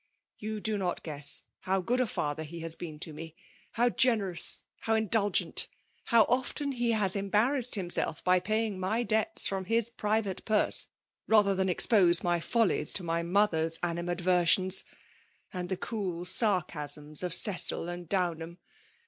Yoa da IM guefia how good a fa(ber he has been to me, ^ how generous — ^how indvlgent; how often hh liaa embarraesed Mmself by paying my defers from his private puvso, rather than expose my follies to foj mother's animadversions^ and tike cool sarcasms of Cecil and Downham.